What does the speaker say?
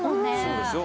そうでしょ？